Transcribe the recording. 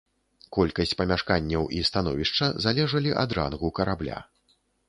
Колькасць памяшканняў і становішча залежалі ад рангу карабля.